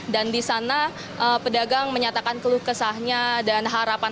dan di sana pedagang menyatakan keluh kesahnya dan harapan